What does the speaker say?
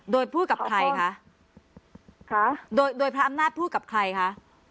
โดยพูดกับใครคะโดยโดยพระอำนาจพูดกับใครคะ